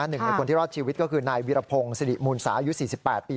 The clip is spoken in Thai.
หนึ่งในคนที่รอดชีวิตก็คือนายวิรพงศ์สิริมูลสายุ๔๘ปี